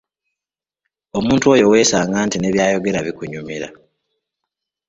Omuntu oyo weesanga nti ne by’ayogera bikunyumira